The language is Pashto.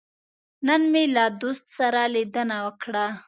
نن مې له دوست سره لیدنه وکړه.